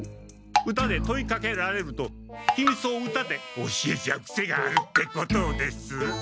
歌で問いかけられるとひみつを歌で教えちゃうくせがあるってことをです。